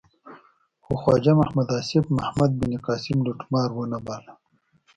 خو خواجه محمد آصف محمد بن قاسم لوټمار و نه باله.